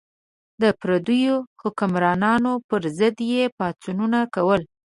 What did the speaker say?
د پردیو حکمرانانو پر ضد یې پاڅونونه کول.